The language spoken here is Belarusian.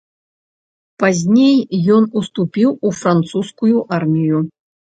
Пазней ён уступіў у французскую армію.